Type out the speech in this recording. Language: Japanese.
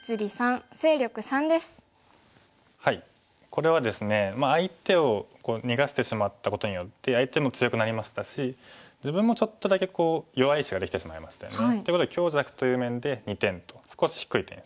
これはですね相手を逃がしてしまったことによって相手も強くなりましたし自分もちょっとだけ弱い石ができてしまいましたよね。ということで強弱という面で２点と少し低い点数。